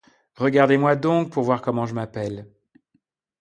Regardez-moi donc, pour voir comment je m’appelle !